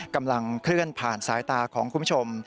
กำลังเคลื่อนผ่านสายตาของคุณผู้ชม